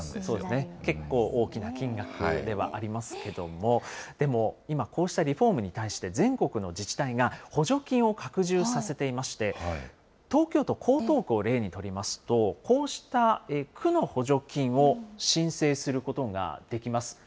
結構大きな金額ではありますけども、でも、今、こうしたリフォームに対して、全国の自治体が補助金を拡充させていまして、東京都江東区を例にとりますと、こうした区の補助金を申請することができます。